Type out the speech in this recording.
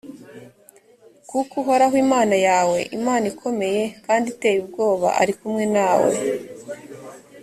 kuko uhoraho imana yawe, imana ikomeye kandi iteye ubwoba, ari kumwe nawe.